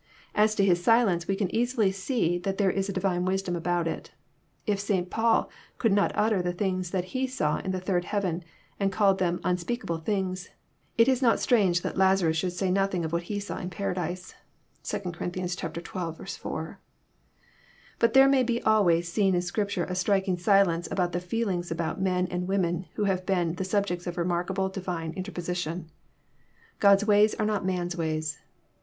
As to his silence, we can easily see there is a Divine wisdom about it. If St. Paul could not utter" the things that he saw in the third heaven, and called them <* unspeakable things;" it is not strange that Lazarus should say nothing of what he saw in Paradise. (2 Cor. xii. 4.) But there may be always seen in Scripture a striking silence about the feelings about men and women who have been the subjects of remarkable Divine interposition.' God's ways are not man's ways.